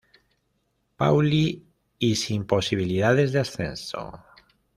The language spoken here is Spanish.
Pauli y sin posibilidades de ascenso.